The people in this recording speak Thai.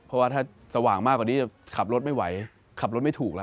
เพราะว่าถ้าสว่างมากกว่านี้จะขับรถไม่ไหวขับรถไม่ถูกแล้ว